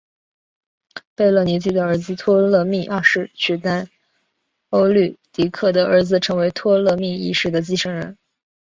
贝勒尼基的儿子托勒密二世取代欧律狄刻的儿子成为托勒密一世的继承人。